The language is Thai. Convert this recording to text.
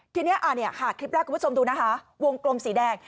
ทีนี้ค่ะคลิปแรกคุณผู้ชมดูนะคะวงกลมสีแดง